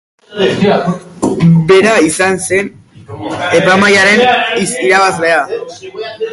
Bera izan zen epaimahaiaren irabazlea.